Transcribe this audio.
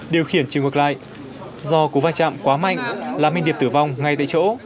điều khiển trường quật lại do cú vai trạm quá mạnh làm anh điệp tử vong ngay tại chỗ